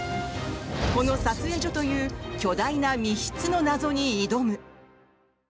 この撮影所という巨大な密室の謎に挑む！